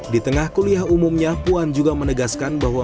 di tengah kuliah umumnya puan juga menegaskan bahwa